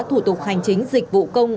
thủ tục hành chính dịch vụ công